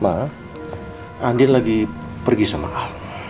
ma andien lagi pergi sama al